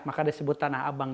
maka disebut tanah abang